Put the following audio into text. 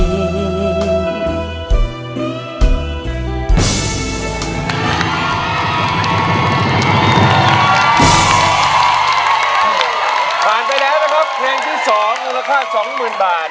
ลูกต้องเป็นข้ากักถ้าผ่านไปแล้วเครื่องที่๒มีประเภท๒หมื่นบาท